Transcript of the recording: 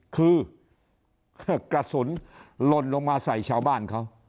คือกระสุนหล่นลงมาใส่ชาวบ้านเขา